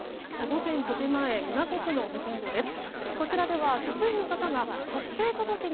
午前９時前港区の保健所です。